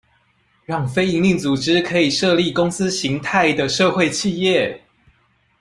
讓非營利組織可以設立公司型態的社會企業